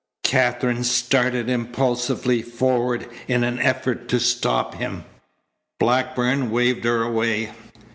Katherine started impulsively forward in an effort to stop him. Blackburn waved her away.